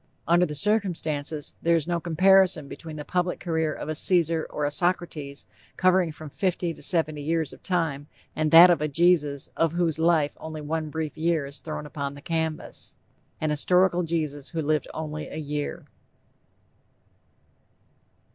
Under the circumstances, there is no comparison between the public career of a Caesar or a Socrates covering from fifty to seventy years of time, and that of a Jesus of whose life only one brief year is thrown upon the canvas. An historical Jesus who lived only a year!